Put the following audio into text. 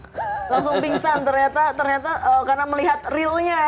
langsung pingsan ternyata karena melihat realnya